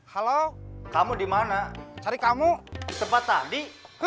halo kamu dimana cari kamu sempat tadi